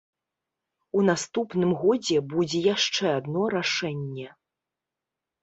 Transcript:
У наступным годзе будзе яшчэ адно рашэнне.